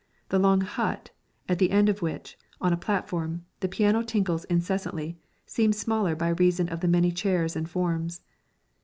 The long "hut," at the end of which, on a platform, the piano tinkles incessantly, seemed smaller by reason of the many chairs and forms.